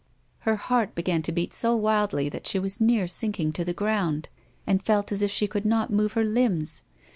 Her heart began to beat so wildly that she was near sinking to the ground, and felt as if she could not move her limbs.